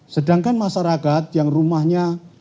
sedangkan masyarakat yang rumahnya